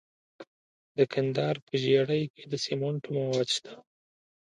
د کندهار په ژیړۍ کې د سمنټو مواد شته.